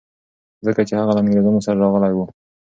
ځکه چي هغه له انګریزانو سره راغلی و.